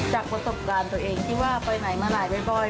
จากประสบการณ์ตัวเองที่ว่าไปไหนมาไหนบ่อย